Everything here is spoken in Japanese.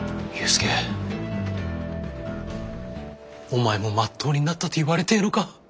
お前もまっとうになったって言われてえのか。